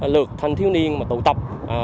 lượt thanh thiếu niên tụ tập